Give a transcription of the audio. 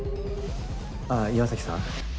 ああ岩崎さん？